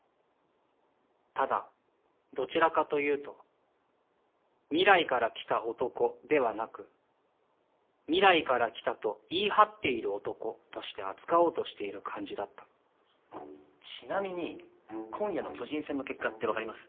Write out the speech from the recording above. ただどちらかというと「未来から来た男」ではなく「未来から来たと言い張っている男」として扱おうとしている感じだったちなみに今夜の巨人戦の結果って分かります？